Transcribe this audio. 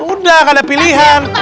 udah gak ada pilihan